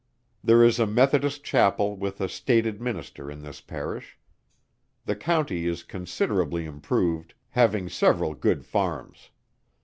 There is a Methodist Chapel with a stated Minister in this parish. The country is considerably improved, having several good farms.